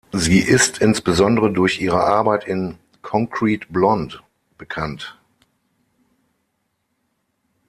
Sie ist insbesondere durch ihre Arbeit in Concrete Blonde bekannt.